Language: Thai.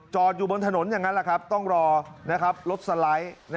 จอดอยู่บนถนนอย่างนั้นต้องรอรถสไลด์